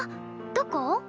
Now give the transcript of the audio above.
どこ？